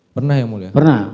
pernah ya mulia